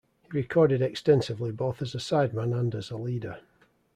He recorded extensively both as a sideman and as a leader.